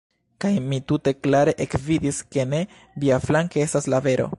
Kaj mi tute klare ekvidis, ke ne viaflanke estas la vero!